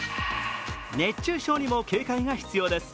熱中症にも警戒が必要です。